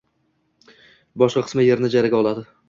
boshqa qismi yerni ijaraga oladi.